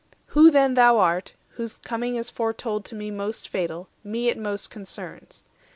Who then thou art, whose coming is foretold To me most fatal, me it most concerns.